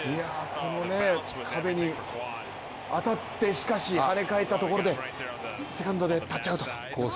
この壁に当たって、しかし跳ね返ったところでセカンドでタッチアウトと。